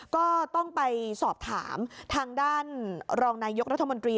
ก็ต้องไปสอบถามทางด้านรองนายกรัฐมนตรี